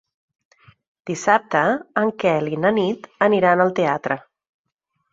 Dissabte en Quel i na Nit aniran al teatre.